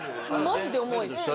マジで重いです